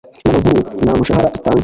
Inama nkuru nta mushahara itanga